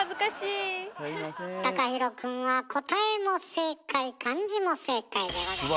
ＴＡＫＡＨＩＲＯくんは答えも正解漢字も正解でございます。